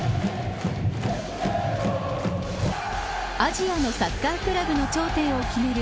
アジアのサッカークラブの頂点を決める